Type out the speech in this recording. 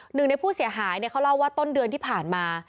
หนึ่งในผู้เสียหายเขาเล่าว่าต้นเดือนที่ผ่านมา